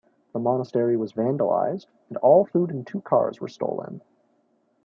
The monastery was vandalized and all food and two cars were stolen.